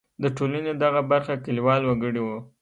د ټولنې دغه برخه کلیوال وګړي وو.